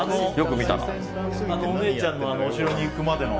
お姉ちゃんのお城に行くまでの。